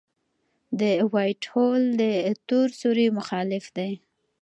د وائټ هول د تور سوري مخالف دی.